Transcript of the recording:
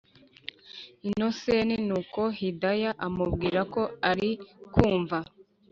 innocent nuko hidaya amubwira ko arikumva